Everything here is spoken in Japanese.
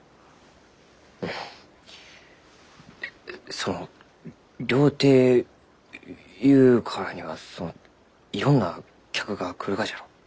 その料亭ゆうからにはそのいろんな客が来るがじゃろう？